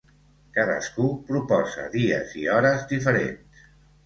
Cadascú proposa dies i hores diferents.